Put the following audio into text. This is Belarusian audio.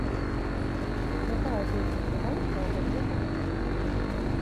Якая песня цыганская адаб'е пакуты?